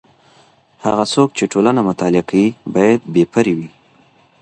هغه څوک چي ټولنه مطالعه کوي بايد بې پرې وي.